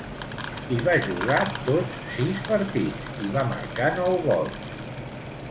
Hi va jugar tots sis partits, i va marcar nou gols.